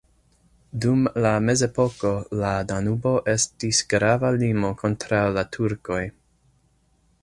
Dum la mezepoko la Danubo estis grava limo kontraŭ la turkoj.